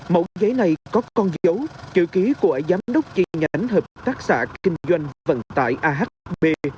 mẫu giấy này có con dấu chữ ký của giám đốc chi nhánh hợp tác xã kinh doanh vận tải ahb